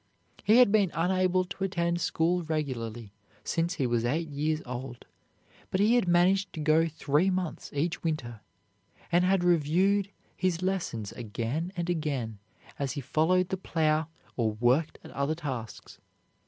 He had been unable to attend school regularly since he was eight years old, but he had managed to go three months each winter, and had reviewed his lessons again and again as he followed the plow or worked at other tasks.